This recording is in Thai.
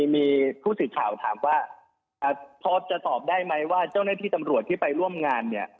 มีผู้สื่อข่าวถามว่าพอจะตอบได้ไหมว่าเจ้าหน้าที่ตำรวจที่ไปร่วมงานเนี่ย